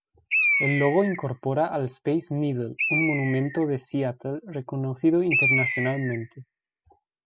El logo incorpora al Space Needle, un monumento de Seattle reconocido internacionalmente.